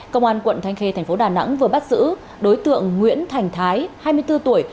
công an quận thanh khê thành phố đà nẵng vừa bắt giữ đối tượng nguyễn thành thái hai mươi bốn tuổi